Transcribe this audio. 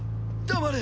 黙れ！